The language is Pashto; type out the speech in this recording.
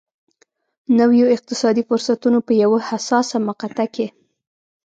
نویو اقتصادي فرصتونو په یوه حساسه مقطعه کې.